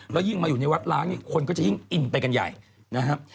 แล้วยิ่งมาอยู่ในวัดล้างนี่คนก็จะยิ่งอินไปกันใหญ่นะครับ